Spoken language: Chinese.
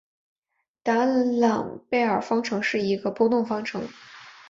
达朗贝尔方程是一个的波动方程。